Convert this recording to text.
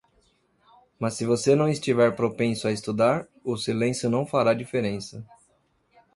Mas se você não estiver propenso a estudar, o silêncio não fará diferença.